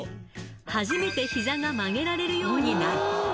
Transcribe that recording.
初めてひざが曲げられるようになり。